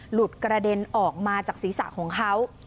หลุดกระเด็นออกมาจากศีรษะของเขา